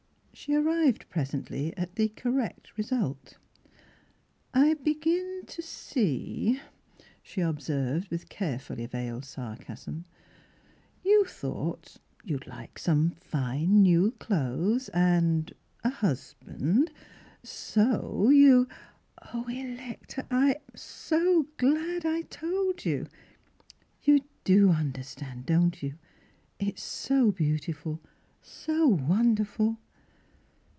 She arrived presently at the correct result. " I begin to see," she observed, with carefully veiled sarcasm. " You thought you'd like some fine new clothes and a — husband. So you —"" Oh, Electa, I'm so glad I told you ! You do understand; don't you' It's so beautiful — so wonderful."